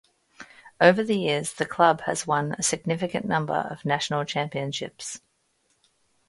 Over the years the club has won a significant number of national championships.